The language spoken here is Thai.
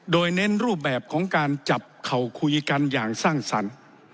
โดยเน้นรูปแบบของการจับเข่าคุยกันอย่างสร้างสรรค์